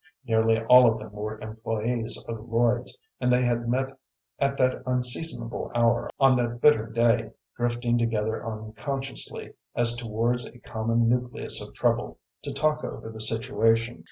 Nearly all of them were employés of Lloyd's, and they had met at that unseasonable hour on that bitter day, drifting together unconsciously as towards a common nucleus of trouble, to talk over the situation.